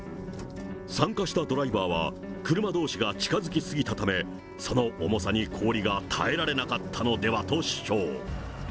参加したドライバーは、車どうしが近づきすぎたため、その重さに氷が耐えられなかったのではと主張。